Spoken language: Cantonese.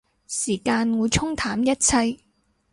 時間會沖淡一切